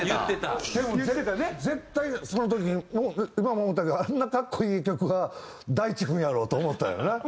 でも絶対その時今も思ったけどあんな格好いい曲は大知君やろと思ったんやろうな。